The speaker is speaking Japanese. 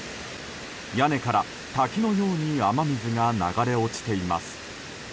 屋根から滝のように雨水が流れ落ちています。